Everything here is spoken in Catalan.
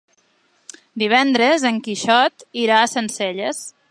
Divendres en Quixot irà a Sencelles.